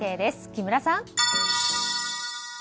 木村さん。